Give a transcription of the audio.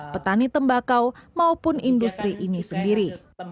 petani tembakau maupun industri ini sendiri